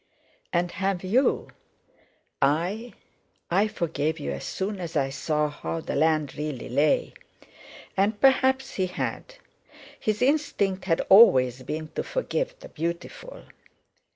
"And have you?" "I? I forgave you as soon as I saw how the land really lay." And perhaps he had; his instinct had always been to forgive the beautiful.